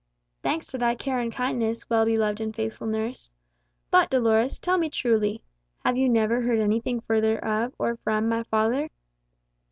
"Thanks to thy care and kindness, well beloved and faithful nurse. But, Dolores, tell me truly have you never heard anything further of, or from, my father?"